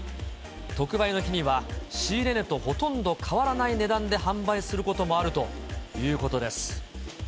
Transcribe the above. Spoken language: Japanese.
特売の日には、仕入れ値とほとんど変わらない値段で販売することもあるというこ